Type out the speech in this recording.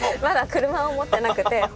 まだ車を持ってなくて。